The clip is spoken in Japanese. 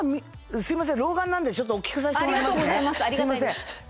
すいません。